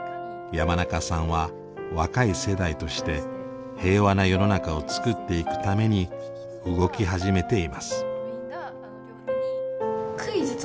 山中さんは若い世代として平和な世の中をつくっていくために動き始めています。